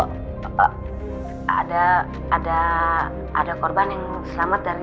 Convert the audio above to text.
ehm ada ada ada korban yang selamat dari